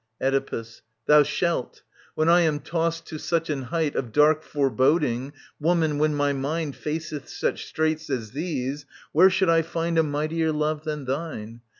Oedipus. Thou shalt. When I am tossed to such an height Of dark foreboding, woman, when my mind Faceth such straits as these, where should I find A mightier love than thine